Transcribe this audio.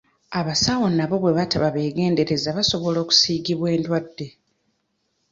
Abasawo nabo bwe bataba tebeegenderezza basobola okusiigibwa endwadde.